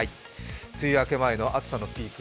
梅雨明け前の暑さのピーク